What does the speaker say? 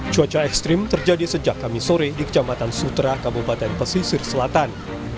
cuaca ekstrim terjadi sejak kami sore di kecamatan sutra kabupaten pesisir selatan